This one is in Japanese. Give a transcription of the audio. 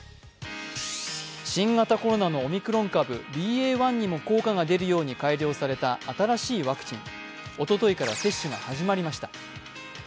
新型コロナのオミクロン株ＢＡ．１にも効果が出るように改良された新しいワクチンおとといから接種が始まりました。